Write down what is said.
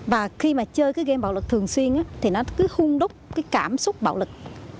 và khi mà chơi cái gam bạo lực thường xuyên thì nó cứ hung đúc cái cảm xúc bạo lực